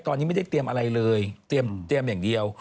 ตอนนี้ไม่ได้เตรียมอะไรเลยเตรียมอย่างเดียว